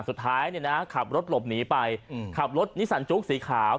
สุดท้ายเนี่ยนะขับรถหลบหนีไปขับรถนิสันจุ๊กสีขาว